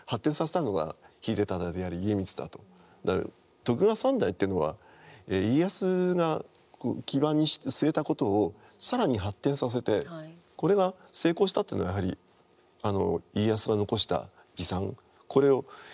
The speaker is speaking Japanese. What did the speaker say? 徳川三代っていうのは家康が基盤に据えたことを更に発展させてこれが成功したというのはやはりうん。